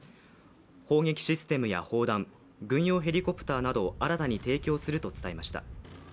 砲撃システムや砲弾、軍用ヘリコプターなどを新たに提供すると伝えました。